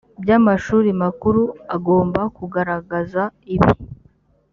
by amashuri makuru agomba kugaragaza ibi